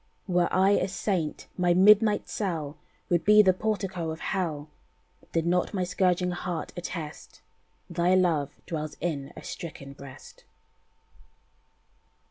"Were I a saint, my midnight cell Would be the portico of hell, Did not my scourging heart attest Thy love dwells in a stricken breast."